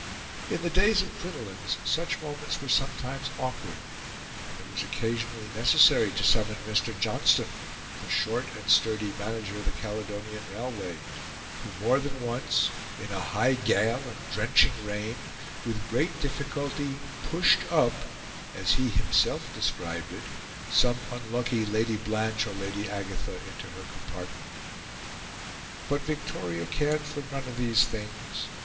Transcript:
In the days of crinolines such moments were sometimes awkward; and it was occasionally necessary to summon Mr. Johnstone, the short and sturdy Manager of the Caledonian Railway, who, more than once, in a high gale and drenching rain with great difficulty "pushed up" as he himself described it some unlucky Lady Blanche or Lady Agatha into her compartment. But Victoria cared for none of these things.